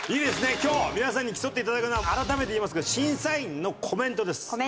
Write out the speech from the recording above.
今日皆さんに競って頂くのは改めて言いますけど審査員のコメントです。